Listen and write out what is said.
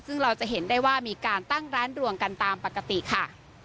ซึ่งเราจะเห็นได้ว่ามีการตั้งร้านดวงกันตามปกติค่ะ